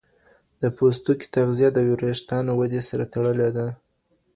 د پوستکي تغذیه د وریښتانو ودې سره تړلې ده.